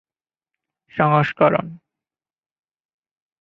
সংস্করণ